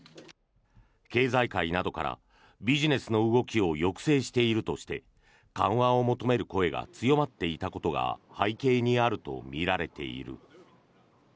経済界などからビジネスの動きを抑制しているとして緩和を求める声が強まっていたことが背景にあるとみられている。